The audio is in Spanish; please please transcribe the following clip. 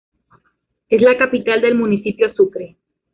Es la capital del Municipio Sucre.